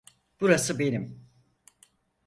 Burası benim!